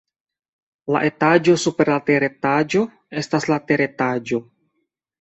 La etaĝo super la teretaĝo estas la teretaĝo.